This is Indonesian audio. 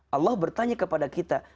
allah bertanya kepada kita